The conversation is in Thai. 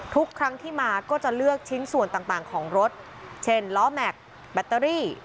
ทุกครั้งที่มาก็จะเลือกชิ้นส่วนต่างของรถเช่นล้อแม็กซ์แบตเตอรี่